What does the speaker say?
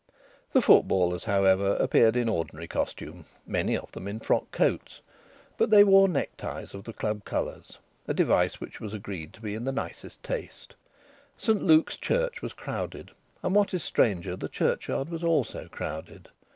The footballers, however, appeared in ordinary costume (many of them in frock coats); but they wore neckties of the club colours, a device which was agreed to be in the nicest taste. St Luke's Church was crowded; and, what is stranger, the churchyard was also crowded.